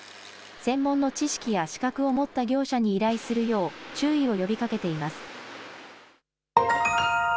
専門の知識や資格を持った業者に依頼するよう注意を呼びかけています。